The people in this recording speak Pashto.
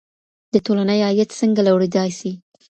د ټولني عاید څنګه لوړېدای سي؟